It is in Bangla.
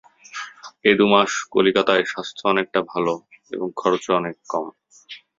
এ দু-মাস কলিকাতায় স্বাস্থ্য অনেকটা ভাল এবং খরচও অনেক কম।